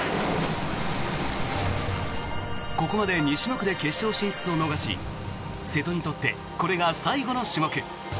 ここまで２種目で決勝進出を逃し瀬戸にとってこれが最後の種目。